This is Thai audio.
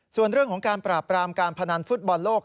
ส่วนเรื่องของการปราบปรามการพนันฟุตบอลโลก